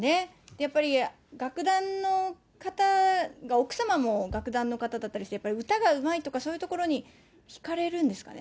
やっぱり楽団の方が、奥様も楽団の方だったりして、歌がうまいとか、そういうところに引かれるんですかね。